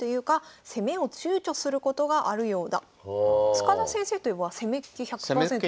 塚田先生といえば攻めっ気１００％ですけど。